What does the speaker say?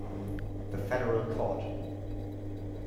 The federal court.